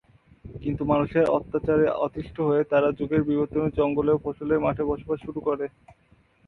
কিন্তু মানুষের অত্যাচারে অতিষ্ঠ হয়ে তাঁরা যুগের বিবর্তনে জঙ্গলে ও ফসলের মাঠে বসবাস শুরু করে।